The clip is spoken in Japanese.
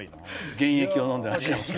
原液を飲んでらっしゃいました。